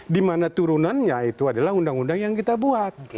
dimana turunannya itu adalah undang undang yang kita buat